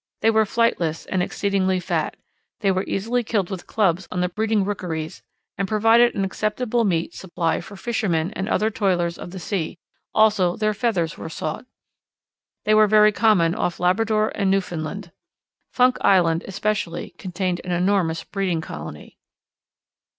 They were flightless and exceedingly fat. They were easily killed with clubs on the breeding rookeries, and provided an acceptable meat supply for fishermen and other toilers of the sea; also their feathers were sought. They were very common off Labrador and Newfoundland. Funk Island, especially, contained an enormous breeding colony.